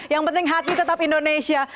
yang penting hati tetap indonesia